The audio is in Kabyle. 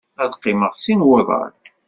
Ad qqimeɣ sin wuḍan.